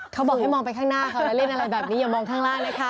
เขาบอกให้มองไปข้างหน้าเขาแล้วเล่นอะไรแบบนี้อย่ามองข้างล่างเลยค่ะ